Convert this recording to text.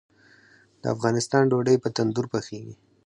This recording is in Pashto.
د افغانستان ډوډۍ په تندور پخیږي